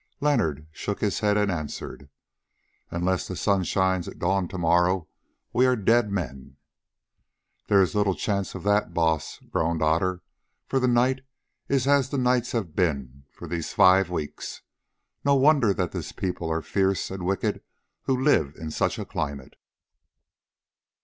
Leonard shook his head and answered: "Unless the sun shines at dawn to morrow, we are dead men." "Then there is little chance of that, Baas," groaned Otter, "for the night is as the nights have been for these five weeks. No wonder that this people are fierce and wicked who live in such a climate."